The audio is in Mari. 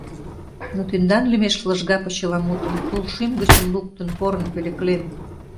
Но тендан лӱмеш лыжга почеламутым Тул шӱм гычын луктын порын пӧлеклем.